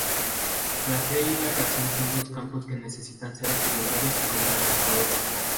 La fe y la razón son dos campos que necesitan ser equilibrados y complementados.